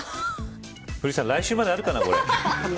古市さん、来週まであるかな、これ。